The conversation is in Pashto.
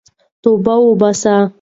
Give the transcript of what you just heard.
توبه وباسئ.